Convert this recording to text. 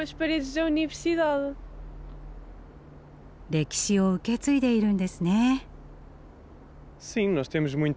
歴史を受け継いでいるんですね。